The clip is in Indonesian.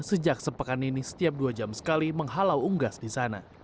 sejak sepekan ini setiap dua jam sekali menghalau unggas di sana